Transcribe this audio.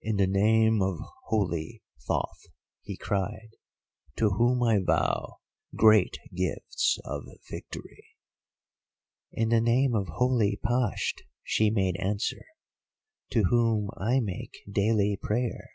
"'In the name of holy Thoth,' he cried, 'to whom I vow great gifts of victory.' "'In the name of holy Pasht,' she made answer, 'to whom I make daily prayer.